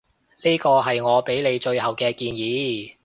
呢個係我畀你嘅最後建議